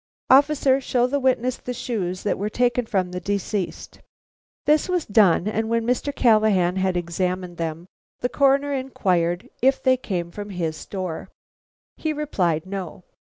Officer, show the witness the shoes that were taken from the deceased." This was done, and when Mr. Callahan had examined them, the Coroner inquired if they came from his store. He replied no.